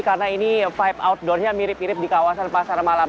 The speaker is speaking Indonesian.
karena ini vibe outdoornya mirip mirip di kawasan pasar malam